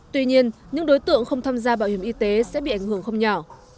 tuy nhiên những đối tượng không tham gia bảo hiểm y tế sẽ bị ảnh hưởng không nhỏ